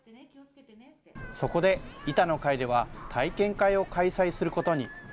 そこで板の会では、体験会を開催することに。